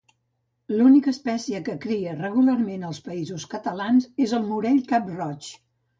L'única espècie que cria regularment als Països Catalans és el morell cap-roig.